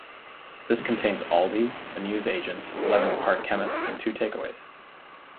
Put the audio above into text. This contains Aldi, A newsagents, Leven park chemists and two takeaways.